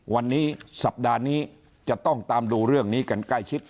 วันนี้สัปดาห์นี้จะต้องตามดูเรื่องนี้กันใกล้ชิด